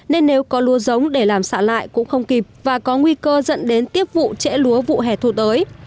nên nếu có lúa giống để làm xạ lại cũng không kịp và có nguy cơ dẫn đến tiếp vụ trễ lúa vụ hè thu tới